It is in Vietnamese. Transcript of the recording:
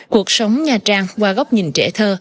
cuộc sống nha trang qua góc nhìn trẻ thơ